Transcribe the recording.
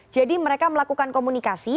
jadi mereka melakukan komunikasi